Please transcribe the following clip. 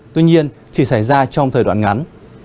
tuy nhiên chỉ xảy ra trong thời đoạn ngắn